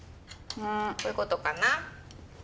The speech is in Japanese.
こういうことかな？